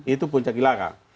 itu puncak ilaka